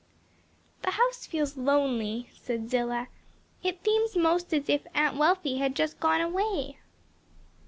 "The house feels lonely," said Zillah, "it seems 'most as if Aunt Wealthy had just gone away."